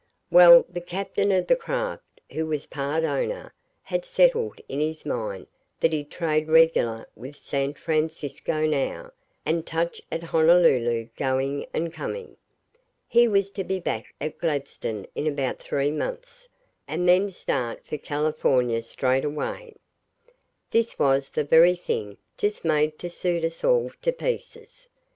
Well, the captain of the craft, who was part owner, had settled in his mind that he'd trade regular with San Francisco now, and touch at Honolulu going and coming. He was to be back at Gladstone in about three months, and then start for California straight away. This was the very thing, just made to suit us all to pieces.